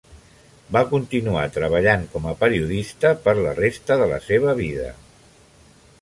Va continuar treballant com a periodista per la resta de la seva vida.